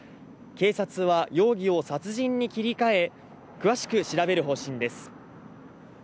警察は容疑を殺人に切り替え、詳しく調べる方針です。